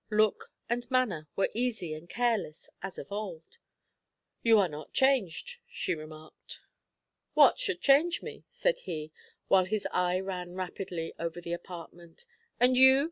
Look and manner were easy and careless as of old. "You are not changed," she remarked. "What should change me?" said he, while his eye ran rapidly over the apartment. "And you?